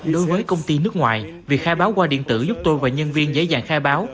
đối với công ty nước ngoài việc khai báo qua điện tử giúp tôi và nhân viên dễ dàng khai báo